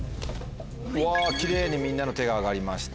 うわキレイにみんなの手が挙りました。